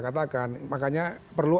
katakan makanya perlu